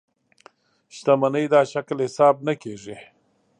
شتمنۍ دا شکل حساب نه کېږي.